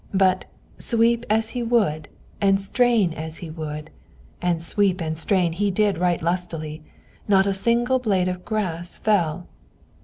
But, sweep as he would, and strain as he would (and sweep and strain he did right lustily), not a single blade of grass fell.